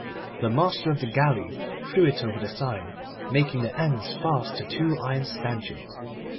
The master of the galley threw it over the side, making the ends fast to two iron stanchions.